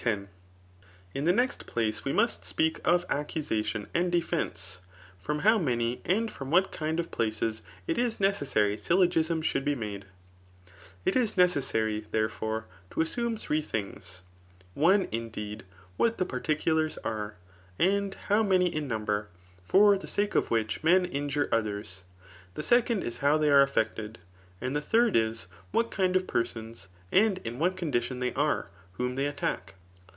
■ Ik the next place we must speak of accusadon and defence, from how many and from what kind [of placesj it IS necessary syllogisms should be made* It is neces sary, therefore, to assume three things; one, indeed, what the particulars are, and how many in number, for the sake dP which men injure others* The second is, how they are effected. And the third is, ^at kind of persons, and in what condition they are [whom diey attack.